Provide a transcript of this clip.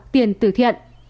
tiền từ thiện